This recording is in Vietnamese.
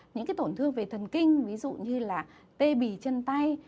những cái tổn thương về thần kinh ví dụ như là tê bì chân tay